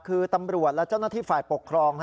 คือตำรวจและเจ้าหน้าที่ฝ่ายปกครอง